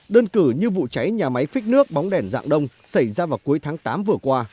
đơn cử như vụ cháy nhà máy phích nước bóng đèn dạng đông xảy ra vào cuối tháng tám vừa qua